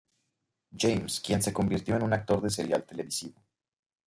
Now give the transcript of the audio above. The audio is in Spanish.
James, quien se convirtió en un actor de Serial televisivo.